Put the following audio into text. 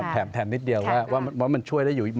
แถมนิดเดียวว่ามันช่วยได้อยู่อีก